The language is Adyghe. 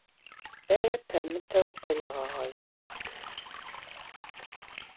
Бэрэ пэмытэу къыригъэгъэзагъ.